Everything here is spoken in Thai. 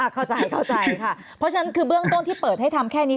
เข้าใจเข้าใจค่ะเพราะฉะนั้นคือเบื้องต้นที่เปิดให้ทำแค่นี้